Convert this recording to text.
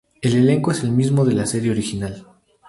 El elenco es el mismo de la serie original.